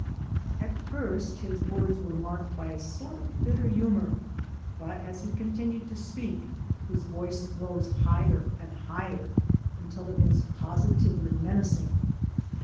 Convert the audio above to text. At first his words were marked by a sort of bitter humour, but as he continued to speak his voice rose higher and higher until it was positively menacing.